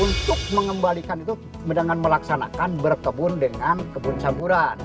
untuk mengembalikan itu dengan melaksanakan berkebun dengan kebun samburan